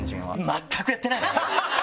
全くやってない。